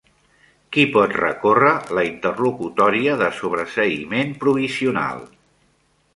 Qui pot recórrer la interlocutòria de sobreseïment provisional?